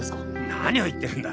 何を言ってるんだ？